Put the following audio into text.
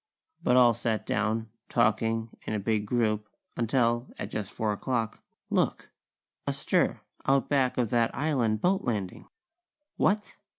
But all sat down, talking in a big group, until, at just four o'clock, look! A stir, out back of that island boat landing! What?